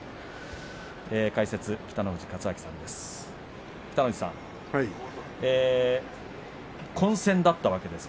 解説、北の富士勝昭さんです。